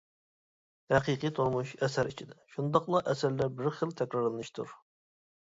ھەقىقىي تۇرمۇش ئەسەر ئىچىدە، شۇنداقلا ئەسەرلەر بىر خىل تەكرارلىنىشتۇر.